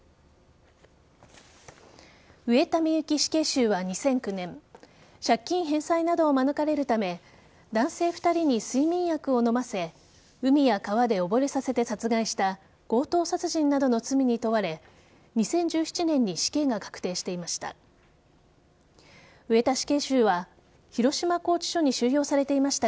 上田美由紀死刑囚は２００９年借金返済などを免れるため男性２人に睡眠薬を飲ませ海や川で溺れさせて殺害した強盗殺人などの罪に問われ２０１７年に死刑が確定していました。